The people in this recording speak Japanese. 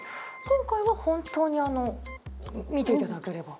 今回は本当に見ていただければ。